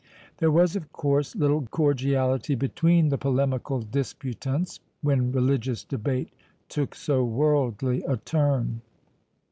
There was, of course, little cordiality between the polemical disputants, when religious debate took so worldly a turn.